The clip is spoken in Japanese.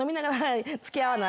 「私と付き合わない？」